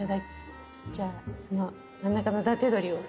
じゃあその真ん中の伊達鶏を。